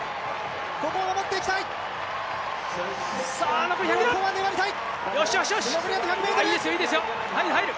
ここを守っていきたい。